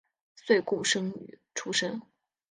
岁贡生出身。